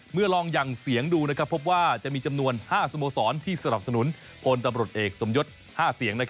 เมื่อลองยังเสียงดูนะครับพบว่าจะมีจำนวน๕สโมสรที่สนับสนุนโปรดตำรวจเอกสมยด๕เสียง